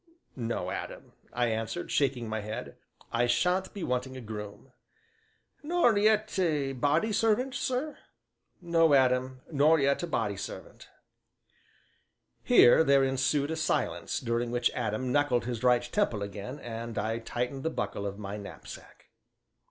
"No, Adam," I answered, shaking my head, "I sha'n't be wanting a groom." "Nor yet a body servant, sir?" "No, Adam, nor yet a body servant." Here there ensued a silence during which Adam knuckled his right temple again and I tightened the buckle of my knapsack.